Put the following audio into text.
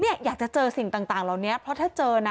อยากจะเจอสิ่งต่างเหล่านี้เพราะถ้าเจอนะ